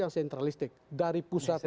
yang sentralistik dari pusat